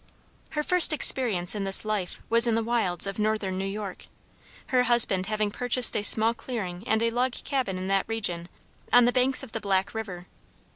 Her first experience in this life was in the wilds of northern New York, her husband having purchased a small clearing and a log cabin in that region on the banks of the Black river.